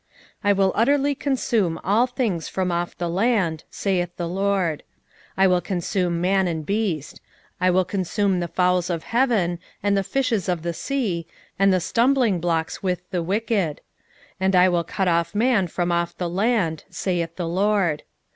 1:2 I will utterly consume all things from off the land, saith the LORD. 1:3 I will consume man and beast; I will consume the fowls of the heaven, and the fishes of the sea, and the stumbling blocks with the wicked: and I will cut off man from off the land, saith the LORD.